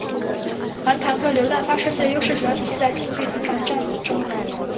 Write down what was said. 反坦克榴弹发射器的优势主要体现在近距离巷战中。